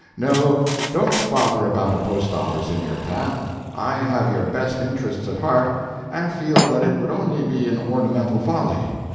No, don't bother about a post office in your camp. I have your best interests at heart, and feel that it would only be an ornamental folly.